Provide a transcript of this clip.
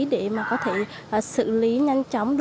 để có thể xử lý nhanh chóng